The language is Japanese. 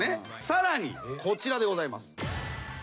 さらにこちらでございます。